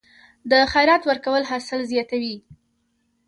د خیرات ورکول حاصل زیاتوي؟